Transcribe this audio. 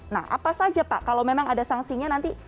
nah apa saja pak kalau memang ada sanksinya nanti